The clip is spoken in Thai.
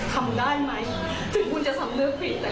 ที่มันทำเลยแล้วจะกลับมาแล้วยังไหม